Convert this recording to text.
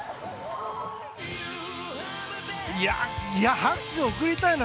いや、拍手を送りたいな。